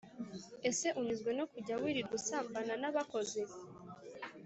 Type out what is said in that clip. ese unyuzwe no kujya wirirwa usambana na bakozi